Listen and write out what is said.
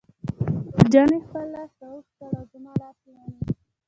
ګل جانې خپل لاس را اوږد کړ او زما لاس یې ونیو.